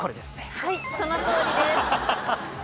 はいそのとおりです。